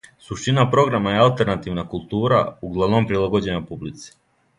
Суштина програма је алтернативна култура, углавном прилагођена публици.